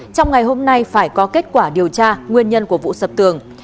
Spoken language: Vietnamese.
trong ngày hôm nay phải có kết quả điều tra nguyên nhân của vụ sập tường